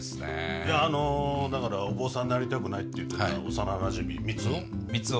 いやあのだからお坊さんになりたくないって言ってた幼なじみ三生？